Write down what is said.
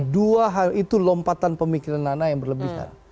dua hal itu lompatan pemikiran nana yang berlebihan